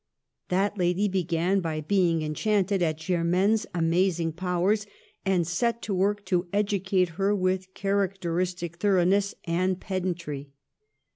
That lady began by being enchanted at Ger maine's amazing powers, and set to work to edu cate her with characteristic thoroughness and pedantry.